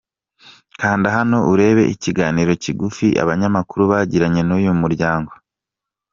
Kanda hano urebe ikiganiro kigufi abanyamakuru bagiranye n’uyu muryango.